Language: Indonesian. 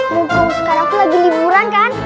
mumpung sekarang aku lagi liburan kan